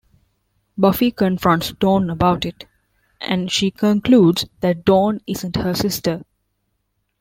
Buffy confronts Dawn about it, and she concludes that Dawn isn't her sister.